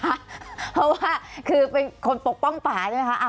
เพราะว่าคือเป็นคนปกป้องป่าใช่ไหมคะ